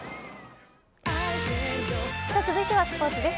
続いてはスポーツです。